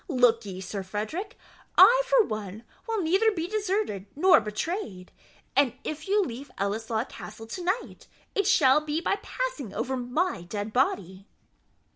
Look ye, Sir Frederick, I for one will neither be deserted nor betrayed; and if you leave Ellieslaw Castle to night, it shall be by passing over my dead body."